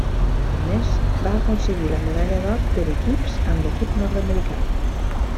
A més, va aconseguir la medalla d'or per equips amb l'equip nord-americà.